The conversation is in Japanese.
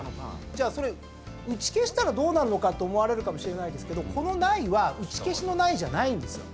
じゃあそれ打ち消したらどうなるのかと思われるかもしれないですがこの「ない」は打ち消しの「ない」じゃないんですよ。